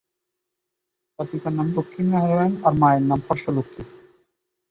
তার পিতার নাম লক্ষ্মী নারায়ণ এবং মায়ের নাম হর্ষ লক্ষ্মী।